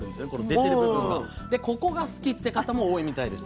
でここが好きっていう方も多いみたいです。